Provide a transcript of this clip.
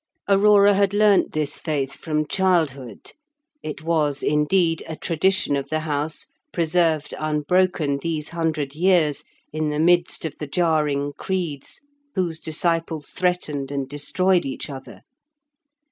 Aurora had learnt this faith from childhood; it was, indeed, a tradition of the house preserved unbroken these hundred years in the midst of the jarring creeds, whose disciples threatened and destroyed each other.